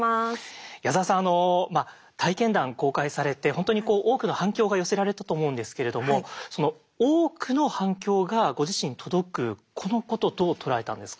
矢沢さんあの体験談公開されて本当に多くの反響が寄せられたと思うんですけれどもその多くの反響がご自身に届くこのことどう捉えたんですか？